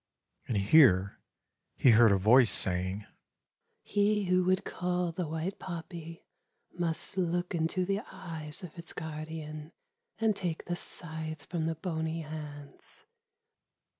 And here he heard a voice saying: "He who would cull the white poppy must look into the eyes of its guardian and take the scythe from the bony hands."